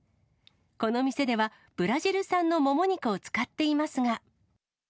この店では、ブラジル産のもも肉を使っていますが。